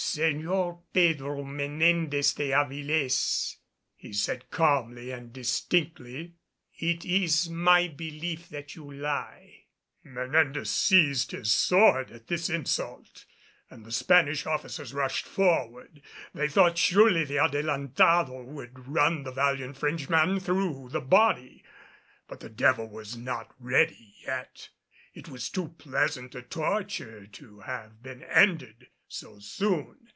"Señor Pedro Menendez de Avilés," he said calmly and distinctly, "it is my belief that you lie." Menendez seized his sword at this insult and the Spanish officers rushed forward. They thought surely the Adelantado would run the valiant Frenchman through the body. But the devil was not ready yet. It was too pleasant a torture to have been ended so soon.